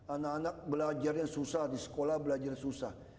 anak anak belajarnya susah di sekolah belajar susah